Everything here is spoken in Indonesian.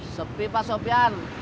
sepi pak sopyan